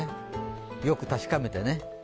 よく確かめてね。